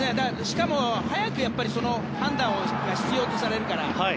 しかも、早い判断が必要とされるから。